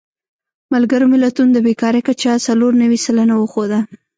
ملګرو ملتونو د بېکارۍ کچه څلور نوي سلنه وښوده.